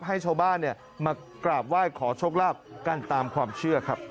ให้ชาวบ้านมากราบไหว้ขอโชคลาภกันตามความเชื่อครับ